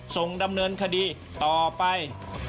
ส่งดำเนินคดีต่อไป